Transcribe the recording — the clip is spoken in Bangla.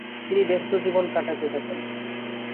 তিনি ব্যস্ত জীবন কাটাতে থাকেন।